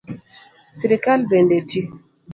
Sirkal bende ti